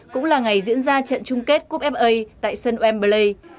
cũng là ngày diễn ra trận chung kết coupe fa tại sainte ouen belay